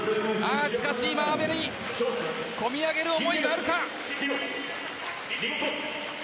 しかし、阿部に込み上げる思いがあるか。